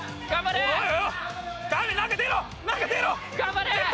頑張れ！